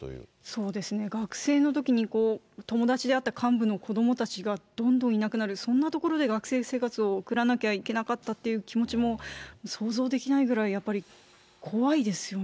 そうですね、学生のときに友達であった幹部の子どもたちがどんどんいなくなる、そんなところで学生生活を送らなきゃいけなかったという気持ちも想像できないぐらい、やっぱり怖いですよね。